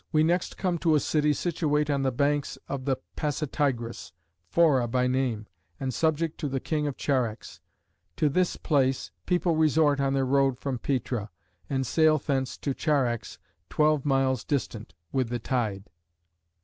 We next come to a city situate on the banks of the Pasitigris, Fora by name, and subject to the king of Charax : to this place people resort on their road from Petra, and sail thence to Charax, twelve miles distant, with the tide.